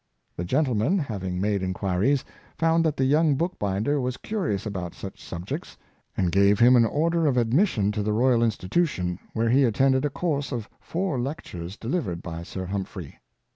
The gentleman, having made inquiries, found that the young bookbinder was cu rious about such subjects, and gave him an order of ad mission to the Royal Institution, where he attended a course of four lectures delivered by Sir Humphrey.